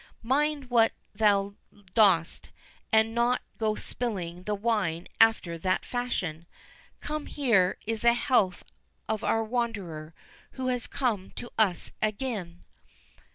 Mind what thou dost, and do not go spilling the wine after that fashion.—Come, here is a health to our wanderer, who has come to us again."